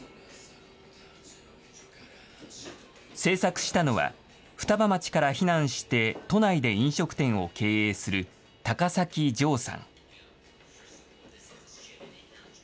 制作したのは双葉町から避難して都内で飲食店を経営する高崎丈さん。